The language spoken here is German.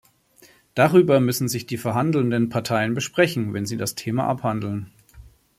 Darüber müssen sich die verhandelnden Parteien besprechen, wenn sie das Thema abhandeln.